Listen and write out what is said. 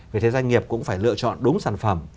vì thế doanh nghiệp cũng phải lựa chọn đúng sản phẩm